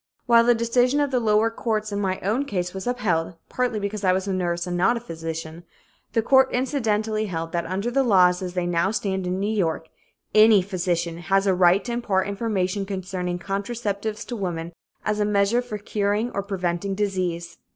While the decision of the lower courts in my own case was upheld, partly because I was a nurse and not a physician, the court incidentally held that under the laws as they now stand in New York, any physician has a right to impart information concerning contraceptives to women as a measure for curing or preventing disease.